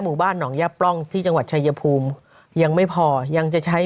หมู่บ้านหนองย่าปล้องที่จังหวัดชายภูมิยังไม่พอยังจะใช้